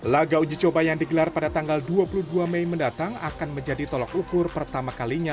laga uji coba yang digelar pada tanggal dua puluh dua mei mendatang akan menjadi tolok ukur pertama kalinya